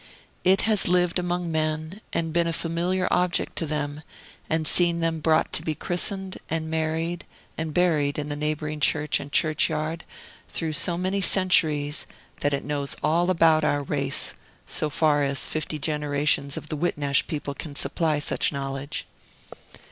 It has lived among men, and been a familiar object to them, and seen them brought to be christened and married and buried in the neighboring church and churchyard, through so many centuries, that it knows all about our race, so far as fifty generations of the Whitnash people can supply such knowledge.